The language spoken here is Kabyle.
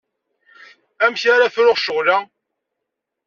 Amek ara fruɣ ccɣel-a?